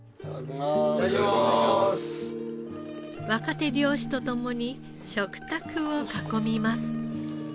若手漁師と共に食卓を囲みます。